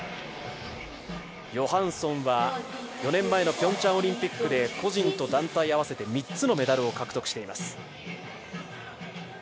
ヨハンソンは４年前のピョンチャンオリンピックで個人と団体合わせて３つのメダルを獲得しています。